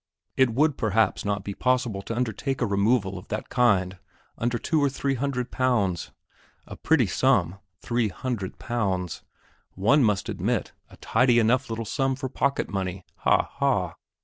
It would perhaps not be possible to undertake a removal of that kind under two or three hundred pounds. A pretty sum three hundred pounds! One must admit, a tidy enough little sum for pocket money! Ha, ha!